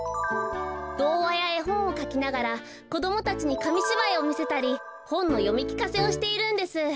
どうわやえほんをかきながらこどもたちにかみしばいをみせたりほんのよみきかせをしているんです。